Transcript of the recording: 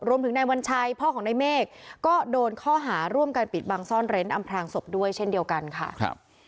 รวมถึงนายวัญชัยพ่อของนายเมฆก็โดนข้อหาร่วมการปิดบังซ่อนเร้นอำพลางศพด้วยเช่นเดียวกันค่ะ